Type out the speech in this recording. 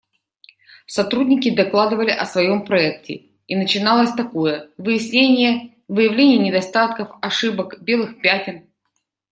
Сотрудники докладывали о своем проекте, и начиналось такое: выяснения, выявление недостатков, ошибок, белых пятен.